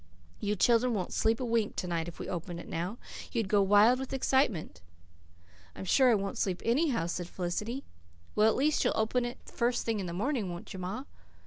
You children wouldn't sleep a wink to night if we opened it now. You'd go wild with excitement." "I'm sure I won't sleep anyhow," said Felicity. "Well, at least you'll open it the first thing in the morning, won't you, ma?"